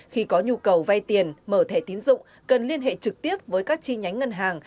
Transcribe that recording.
khi có nhu cầu vay tiền mở thẻ tiến dụng cần liên hệ trực tiếp với các chi nhánh ngân hàng